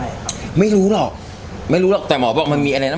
มันบัวเพราะอะไรครับไม่รู้หรอกไม่รู้หรอกแต่หมอบอกมันมีอะไรนะ